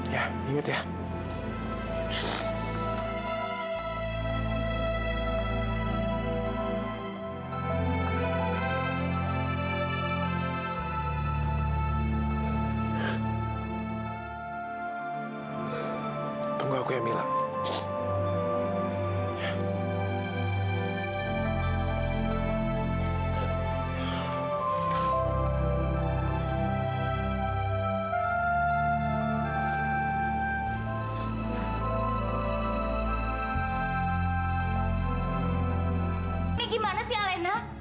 ya ingat ya